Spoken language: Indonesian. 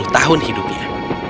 sepuluh tahun hidupnya